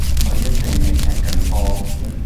佢一定係踢緊波